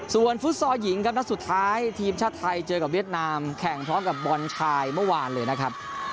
ส่วนฟุตซอลหญิงครับนัดสุดท้ายทีมชาติไทยเจอกับเวียดนามแข่งพร้อมกับบอลชายเมื่อวานเลยนะครับ